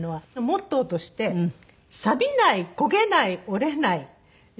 モットーとしてサビない焦げない折れないしぼまない。